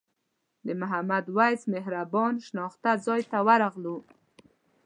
د محمد وېس مهربان شناخته ځای ته راغلو.